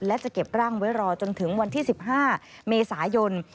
และจะเก็บร่างไว้รอจนถึงวันที่๑๕เมษายน